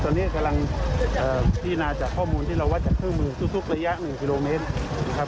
ตอนนี้กำลังพิจารณาจากข้อมูลที่เราวัดจากเครื่องมือทุกระยะ๑กิโลเมตรครับ